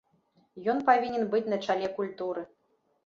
Ён павінен быць на чале культуры.